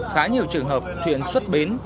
khá nhiều trường hợp thuyền xuất bến